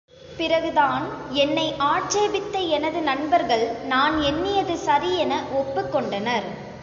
பிறகுதான் என்னை ஆட்சேபித்த எனது நண்பர்கள், நான் எண்ணியது சரியென ஒப்புக்கொண் டனர்.